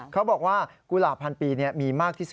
เขาบอกว่ากุหลาบพันปีมีมากที่สุด